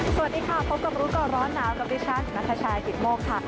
สวัสดีค่ะพบกับร้อนหนาวกับดิฉันนักภาชาหิตโมกค่ะ